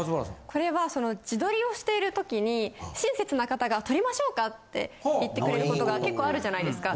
これは自撮りをしているときに親切な方が撮りましょうかって言ってくれることが結構あるじゃないですか。